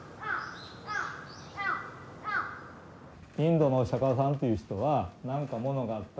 インドのお釈迦さんという人は何かものがあったら。